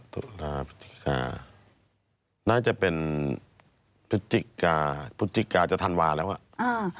ตุลาปุจิกาน่าจะเป็นปุจิกาจะธันวาลแล้วอ่ะ